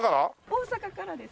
大阪からです。